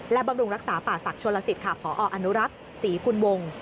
และบำรุงรักษาป่าศักดิชนลสิตค่ะพออนุรักษ์ศรีกุลวง